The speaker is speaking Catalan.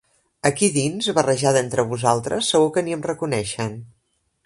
Aquí dins, barrejada entre vosaltres, segur que ni em reconeixen.